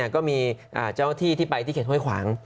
ก็มีเจ้าที่ที่ไปที่เขตห้วยขวาง